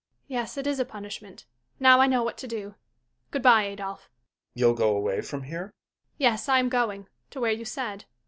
Yes, it is a punishment. Now I know what to do. Good bye, Adolphe! ADOLPHE. You'll go away from here? HENRIETTE. Yes, I am going to where you said.